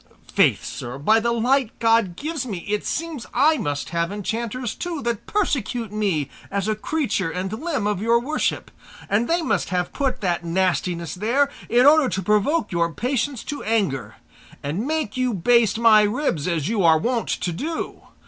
Faith, sir, by the light God gives me, it seems I must have enchanters too, that persecute me as a creature and limb of your worship, and they must have put that nastiness there in order to provoke your patience to anger, and make you baste my ribs as you are wont to do.